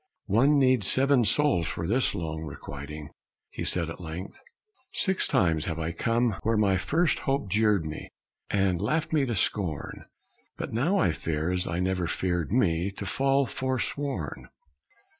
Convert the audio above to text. "One needs seven souls for this long requiting," He said at length. "Six times have I come where my first hope jeered me And laughed me to scorn; But now I fear as I never feared me To fall forsworn.